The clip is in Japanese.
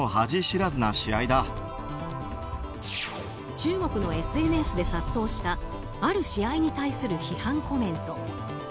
中国のＳＮＳで殺到したある試合に対する批判コメント。